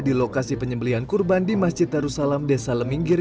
di lokasi penyembelian korban di masjid tarusalam desa leminggir